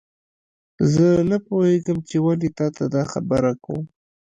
زه نه پوهیږم چې ولې تا ته دا خبره کوم